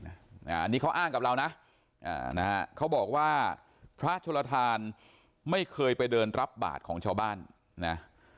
อันนี้เขาอ้างกับเรานะเขาบอกว่าพระโชลทานไม่เคยไปเดินรับบาทของชาวบ้านนะ